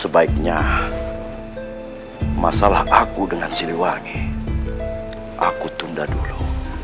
sebaiknya masalah aku dengan siliwangi aku tunda dulu